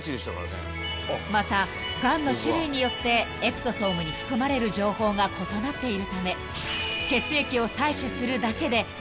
［またがんの種類によってエクソソームに含まれる情報が異なっているため］